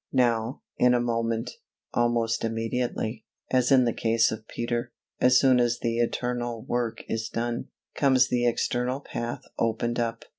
Now, in a moment, almost immediately, as in the case of Peter, as soon as the internal work is done, comes the external path opened up.